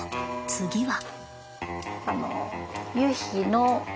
次は。